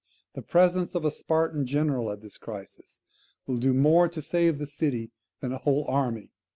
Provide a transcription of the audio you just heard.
The presence of a Spartan general at this crisis will do more to save the city than a whole army."